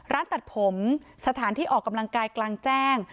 ร้านตัดผมสถานที่ออกกำลังกายกลางแจ้ง